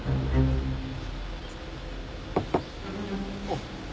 あっ。